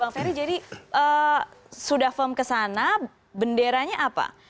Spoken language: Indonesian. bang ferry jadi sudah firm kesana benderanya apa